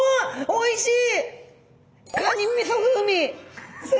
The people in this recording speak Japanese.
おいしい。